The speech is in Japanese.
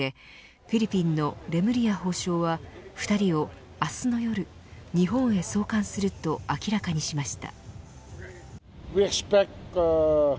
フィリピンのレムリヤ法相は２人を明日の夜日本へ送還すると明らかにしました。